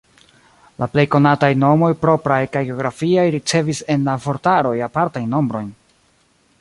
La plej konataj nomoj propraj kaj geografiaj ricevis en la vortaroj apartajn nombrojn.